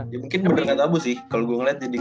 ya mungkin bener gak tabu sih kalo gua ngeliat